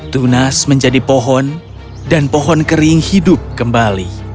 tunas menjadi pohon dan pohon kering hidup kembali